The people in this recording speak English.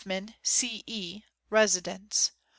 J. H Residence. .